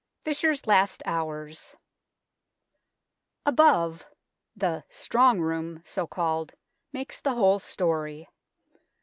FISHBR'S LAST HOURS Above, the "Strong Room," so called, makes the whole storey.